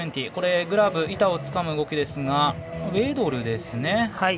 グラブ、板をつかむ動きですがウェドルですね。